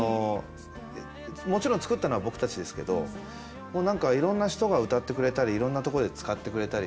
もちろん作ったのは僕たちですけどもう何かいろんな人が歌ってくれたりいろんなとこで使ってくれたり。